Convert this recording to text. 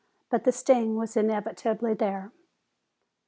But the sting was inevitably there.